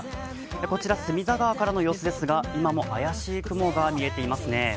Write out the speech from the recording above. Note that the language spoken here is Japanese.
こちら、隅田川からの様子ですが今も怪しい雲が見えてますね。